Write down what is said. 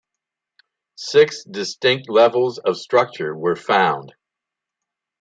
Six distinct levels of structure were found.